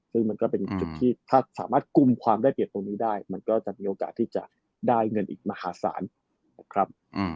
ซึ่งมันก็เป็นจุดที่ถ้าสามารถกลุ่มความได้เปรียบตรงนี้ได้มันก็จะมีโอกาสที่จะได้เงินอีกมหาศาลนะครับ